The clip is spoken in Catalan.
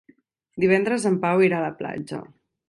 Divendres en Pau irà a la platja.